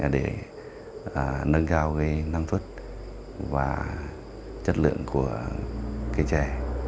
để nâng cao cái năng xuất và chất lượng của cái trè